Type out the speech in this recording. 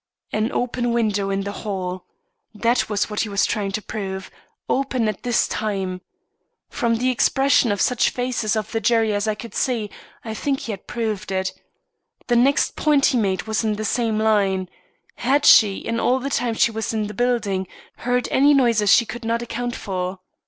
An open window in the hall! That was what he was trying to prove open at this time. From the expression of such faces of the jury as I could see, I think he had proved it. The next point he made was in the same line. Had she, in all the time she was in the building, heard any noises she could not account for?